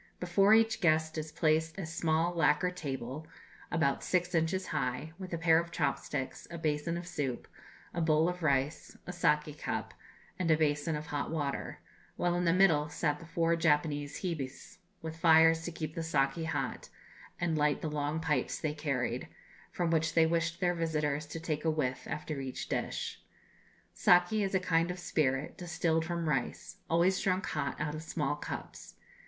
Before each guest is placed a small lacquer table, about six inches high, with a pair of chopsticks, a basin of soup, a bowl of rice, a saki cup, and a basin of hot water; while in the middle sat the four Japanese Hebes, with fires to keep the saki hot, and light the long pipes they carried, from which they wished their visitors to take a whiff after each dish. Saki is a kind of spirit, distilled from rice, always drunk hot out of small cups.